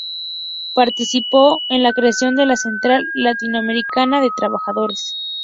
Participó en la creación de la Central Latinoamericana de Trabajadores.